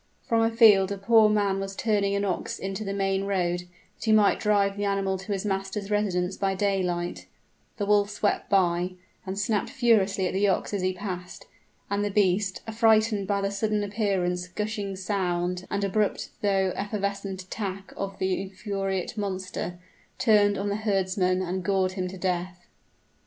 From a field a poor man was turning an ox into the main road, that he might drive the animal to his master's residence by daylight; the wolf swept by, and snapped furiously at the ox as he passed: and the beast, affrighted by the sudden appearance, gushing sound, and abrupt though evanescent attack of the infuriate monster, turned on the herdsman and gored him to death.